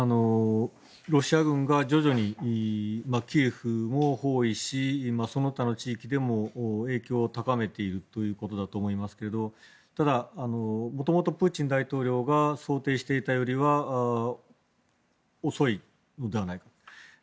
ロシア軍が徐々にキエフを包囲しその他の地域でも影響を高めているということだと思いますけどただ、元々、プーチン大統領が想定していたよりは遅いのではないか。